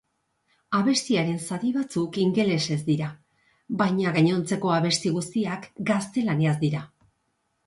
Abestiaren zati batzuk ingelesez dira baina gainontzekoabesti guztiak gaztelaniaz dira.